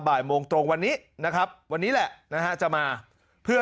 บ่ายโมงตรงวันนี้นะครับวันนี้แหละนะฮะจะมาเพื่อ